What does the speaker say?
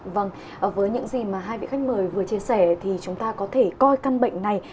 vâng với những gì mà hai vị khách mời vừa chia sẻ thì chúng ta có thể coi căn bệnh này